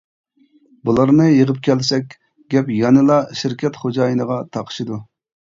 بۇلارنى يىغىپ كەلسەك گەپ يانىلا شىركەت خوجايىنىغا تاقىشىدۇ.